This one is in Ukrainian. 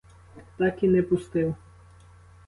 Так і не пустив.